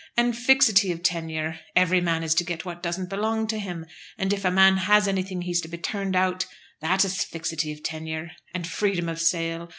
And fixity of tenure! Every man is to get what doesn't belong to him, and if a man has anything he's to be turned out; that is fixity of tenure. And freedom of sale!